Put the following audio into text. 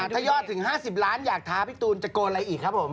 ถ้ายอดถึง๕๐ล้านอยากท้าพี่ตูนจะโกนอะไรอีกครับผม